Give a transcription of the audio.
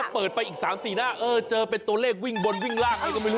เปิดไปอีก๓๔หน้าเออเจอเป็นตัวเลขวิ่งบนวิ่งล่างอะไรก็ไม่รู้